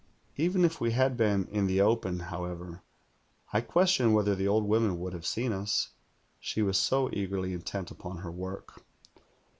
Even if we had been in the open, however, I question whether the old woman would have seen us, she was so eagerly intent upon her work.